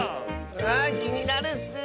あきになるッス。